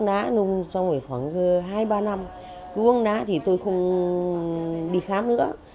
đã nung trong khoảng hai ba năm cứ uống đã thì tôi không đi khám nữa